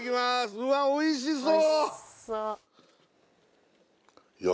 うわっおいしそう！